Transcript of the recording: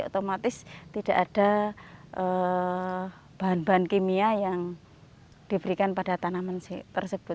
otomatis tidak ada bahan bahan kimia yang diberikan pada tanaman tersebut